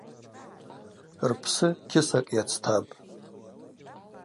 Рпсы кьысакӏ йацтапӏ.